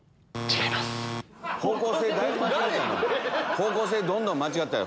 方向性どんどん間違ったよ。